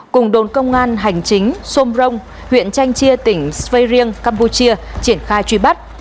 cùng đồn công an hành chính sôm rông huyện chanh chia tỉnh sveiring campuchia triển khai truy bắt